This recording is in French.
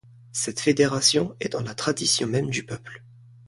Cette fédération est dans la tradition même du peuple.